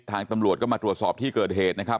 ตำรวจก็มาตรวจสอบที่เกิดเหตุนะครับ